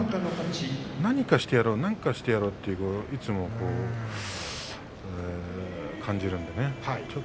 何かしてやろう何かしてやろうといつも感じるんでね